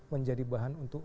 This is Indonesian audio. menjadi bahan untuk